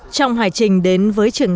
trong hải trình đến với trường